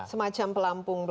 semacam pelampung pelampung itu